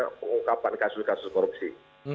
pengungkapan kasus kasus korupsi